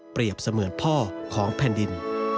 เสมือนพ่อของแผ่นดิน